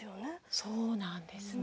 そうなんですね。